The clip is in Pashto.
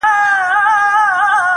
کرنه د شپې او ورځې کار دی.